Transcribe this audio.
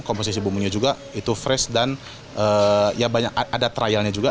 komposisi bumbunya juga itu fresh dan ya banyak ada trialnya juga